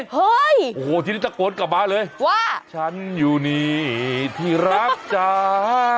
เฮ้ยโอ้โหทีนี้ตะโกนกลับมาเลยว่าฉันอยู่นี่ที่รักจ้า